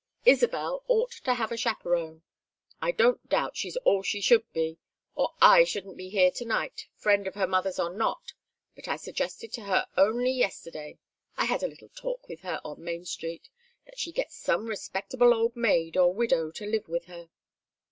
"Isabel ought to have a chaperon. I don't doubt she's all she should be or I shouldn't be here to night, friend of her mother's or not; but I suggested to her only yesterday I had a little talk with her on Main Street that she get some respectable old maid or widow to live with her."